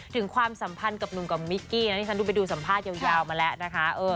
ถึงความสัมพันธ์กับหนูกับมิกกี้ดูไปดูสัมภาษณ์ยาวมาแล้วนะคะ